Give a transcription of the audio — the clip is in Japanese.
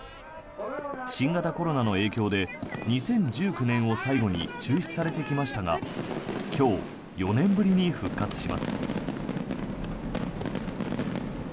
新型コロナの影響で２０１９年を最後に中止されてきましたが今日、４年ぶりに復活します。